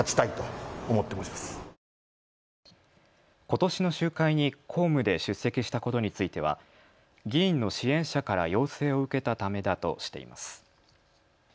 ことしの集会に公務で出席したことについては議員の支援者から要請を受けたためだとしています。